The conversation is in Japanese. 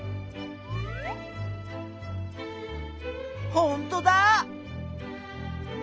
ほんとだ！